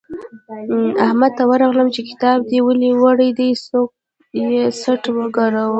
احمد ته ورغلم چې کتاب دې ولې وړل دی؛ سوکه یې څټ وګاراوو.